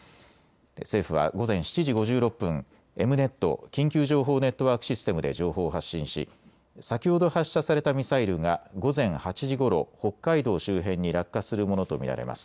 政府は午前７時５６分、エムネット・緊急情報ネットワークシステムで情報を発信し先ほど発射されたミサイルが午前８時ごろ北海道周辺に落下するものと見られます。